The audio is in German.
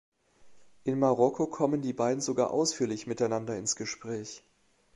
In Marokko kommen die beiden sogar ausführlich miteinander ins Gespräch.